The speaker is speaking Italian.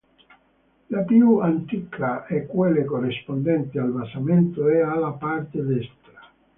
La più antica è quelle corrispondente al basamento e alla parte destra.